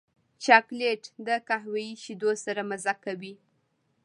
چاکلېټ د قهوې شیدو سره مزه کوي.